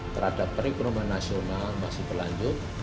terhadap perekonomian nasional masih berlanjut